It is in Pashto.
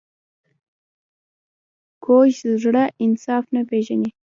کوږ زړه انصاف نه پېژني